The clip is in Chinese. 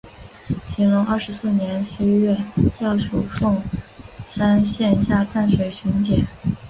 乾隆二十四年十一月调署凤山县下淡水巡检。